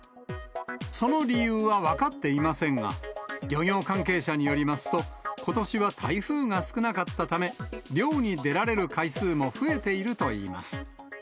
その理由は分かっていませんが、漁業関係者によりますと、ことしは台風が少なかったため、漁に出られる回数も増えているといいます。